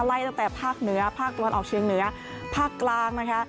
ไล่ตั้งแต่ภาคเหนือภาคตะวันออกเชียงเหนือภาคกลางนะคะ